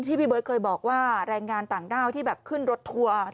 พี่เบิร์ตเคยบอกว่าแรงงานต่างด้าวที่แบบขึ้นรถทัวร์